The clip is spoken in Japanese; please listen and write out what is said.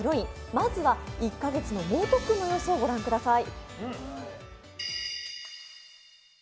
まずは１か月の猛特訓の様子をご覧ください。